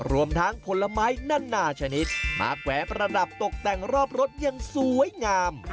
รวมทั้งผลไม้นานาชนิดมาแขวนประดับตกแต่งรอบรถอย่างสวยงาม